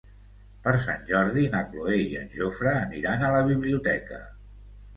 Per Sant Jordi na Cloè i en Jofre aniran a la biblioteca.